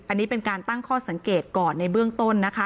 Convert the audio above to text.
อันนี้เป็นการตั้งข้อสังเกตก่อนในเบื้องต้นนะคะ